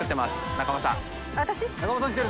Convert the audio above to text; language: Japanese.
仲間さんきてる。